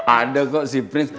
ada kok si prins